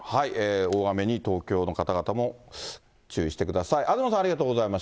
大雨に、東京の方々も注意してください。